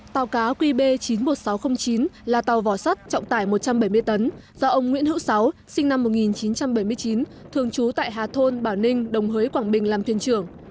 tàu cá qb chín mươi một nghìn sáu trăm linh chín là tàu vỏ sắt trọng tải một trăm bảy mươi tấn do ông nguyễn hữu sáu sinh năm một nghìn chín trăm bảy mươi chín thường trú tại hà thôn bảo ninh đồng hới quảng bình làm thuyền trưởng